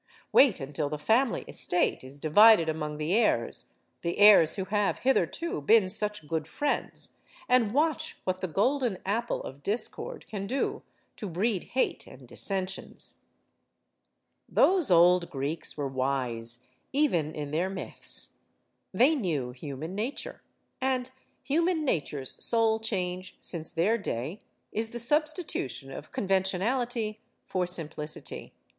Wait until the family estate is divided among the heirs the heirs who have hitherto been such good friends and watch what the Golden Apple of Discord can do to breed hate and dissensions. HELEN OF TROY 71 Those old Greeks were wise, even in their myths. They knew human nature. And human nature's sole change since their day is the substitution of convention ality for simplicity.